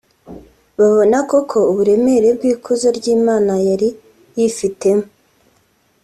Babona koko uburemere bw’ikuzo ry’Imana yari yifitemo